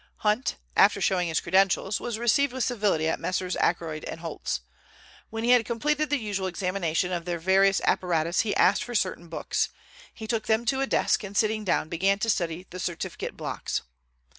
Hunt, after showing his credentials, was received with civility at Messrs. Ackroyd & Holt's. When he had completed the usual examination of their various apparatus he asked for certain books. He took them to a desk, and sitting down, began to study the certificate blocks.